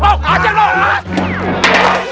ajak ajak dong